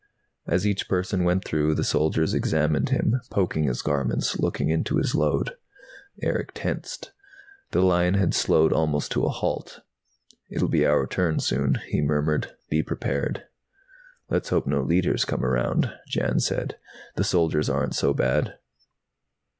As each person went through the soldiers examined him, poking his garments, looking into his load. Erick tensed. The line had slowed almost to a halt. "It'll be our turn, soon," he murmured. "Be prepared." "Let's hope no Leiters come around," Jan said. "The soldiers aren't so bad."